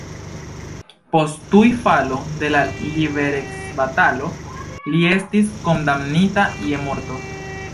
Post tuj falo de la liberecbatalo li estis kondamnita je morto.